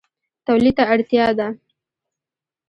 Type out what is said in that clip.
تولید ته اړتیا ده